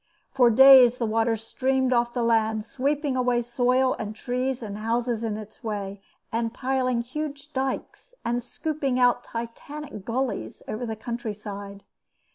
For days the water streamed off the land, sweeping away soil and trees and houses in the way, and piling huge dykes and scooping out Titanic gullies over the country side.